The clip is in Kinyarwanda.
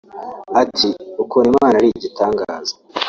Ati “Ukuntu Imana ari igitangaza